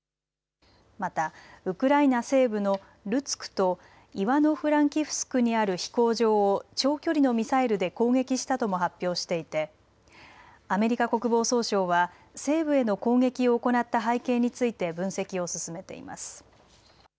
またウクライナ西部のルツクとイワノフランキフスクにある飛行場を長距離のミサイルで攻撃したとも発表していてアメリカ国防総省は西部への攻撃を行った背景について分析を進めています。